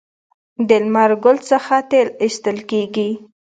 د لمر ګل څخه تیل ایستل کیږي.